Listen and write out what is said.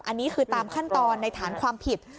อันนี้คือตามขั้นตอนในฐานความผิด